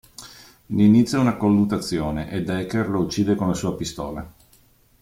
Ne inizia una colluttazione e Decker lo uccide con la sua pistola.